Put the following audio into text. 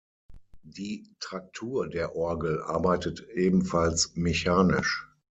Die Traktur der Orgel arbeitet ebenfalls mechanisch.